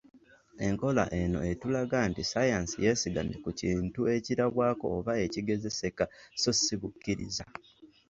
Enkola eno etulaga nti ssaayansi yeesigamye ku kintu ekirabwako oba ekigezeseka so si bukkiriza.